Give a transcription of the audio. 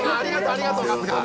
ありがとう春日！